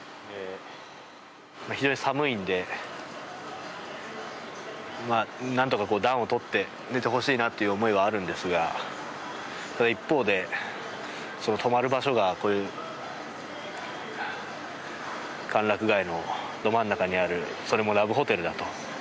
非常に寒いんで、何とか暖を取って寝てほしいなという思いはあるんですがその一方で、泊まる場所がこういう歓楽街のど真ん中にある、それもラブホテルだと。